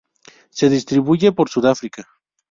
Se distribuye por Sudáfrica.